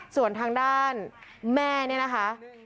ส่วนทางด้านแม่เนี่ยนะคะ